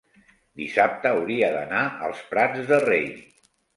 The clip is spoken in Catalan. dissabte hauria d'anar als Prats de Rei.